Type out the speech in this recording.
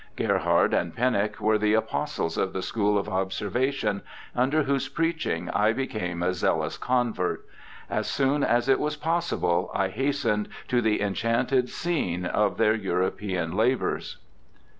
Gerhard and Pennock were the apostles of the school of observation, under whose preaching I became a zealous convert. As soon as it was possible, I hastened to the enchanted scene of their European labours.'